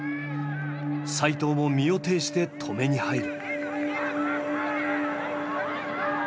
齋藤も身をていして止めに入る。